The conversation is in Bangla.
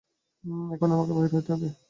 এখনি আমাকে বাহির হইতে হইবে।